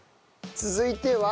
続いては。